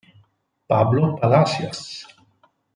Pablo Palacios